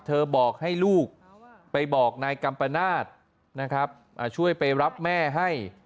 บอกให้ลูกไปบอกนายกัมปนาศนะครับช่วยไปรับแม่ให้